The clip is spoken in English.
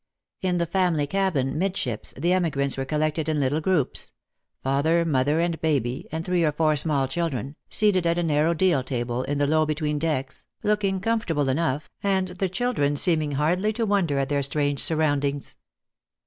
In the family cabin, midships, the emigrants were collected in little groups — father, mother, and baby, and three or four small children, seated at a narrow deal table, in the low between decks, looking comfortable enough, and the children seeming hardly to wonder at their strange sur roundings.